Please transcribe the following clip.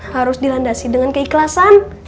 harus dilandasi dengan keikhlasan